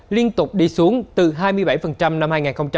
liên tục đi xuống từ hai mươi bảy năm hai nghìn một mươi tám